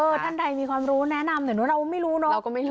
เออท่านใดมีความรู้แนะนำแต่ว่าเราก็ไม่รู้เนอะเราก็ไม่รู้